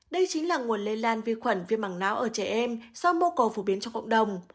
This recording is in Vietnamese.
đây chính là nguồn lây lan vi khuẩn viên mảng nã ở trẻ em do mô cầu phổ biến trong cộng đồng